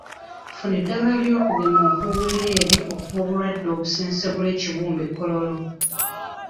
Funa eddagala ly'okugema okwoberere okw'obulwadde obusesebbula ekibumba e Kololo.